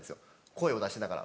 声を出しながら。